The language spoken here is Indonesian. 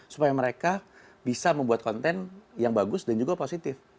supaya mereka bisa membuat konten yang bagus dan juga positif